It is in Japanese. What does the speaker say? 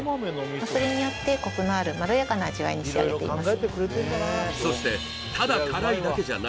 それによってコクのあるまろやかな味わいに仕上げています